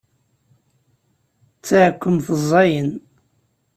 D taɛekkemt ẓẓayen.